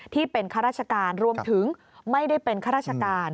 ข้าราชการรวมถึงไม่ได้เป็นข้าราชการ